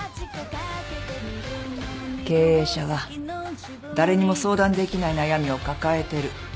経営者は誰にも相談できない悩みを抱えてる。